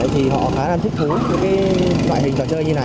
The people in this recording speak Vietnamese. thì họ khá là thích thú với loại hình trò chơi như thế này